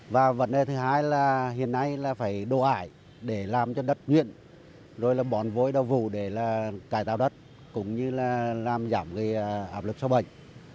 và vấn đề thứ hai là hiện nay là phải đồ ải để làm cho đất nguyện rồi là bón vối đau vụ để là cải tạo đất cũng như là làm giảm cái áp lực sâu bệnh